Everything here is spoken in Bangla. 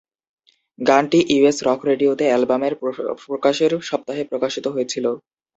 গানটি ইউএস রক রেডিওতে অ্যালবামের প্রকাশের সপ্তাহে প্রকাশিত হয়েছিল।